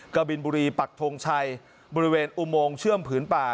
กบินบุรีปักทงชัยบริเวณอุโมงเชื่อมผืนป่า